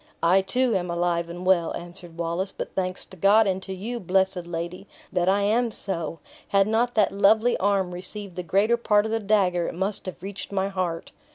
"I, too, am alive and well," answered Wallace; "but thanks to God, and to you, blessed lady, that I am so! Had not that lovely arm received the greater part of the dagger, it must have reached my heart."